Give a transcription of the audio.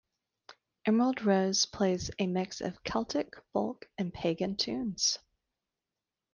Emerald Rose plays a mix of Celtic, folk, and Pagan tunes.